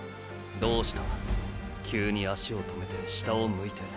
どうした急に足を止めて下を向いて。